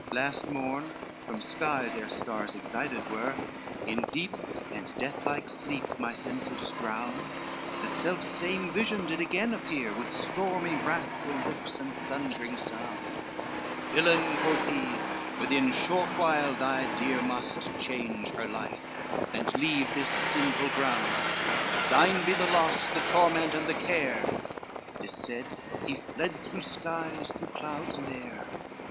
XXXIX "Last morn, from skies ere stars exiled were, In deep and deathlike sleep my senses drowned, The self same vision did again appear, With stormy wrathful looks, and thundering sound, 'Villain,' quoth he, 'within short while thy dear Must change her life, and leave this sinful ground, Thine be the loss, the torment, and the care,' This said, he fled through skies, through clouds and air.